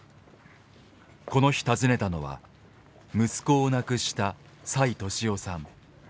この日訪ねたのは息子を亡くした崔敏夫さん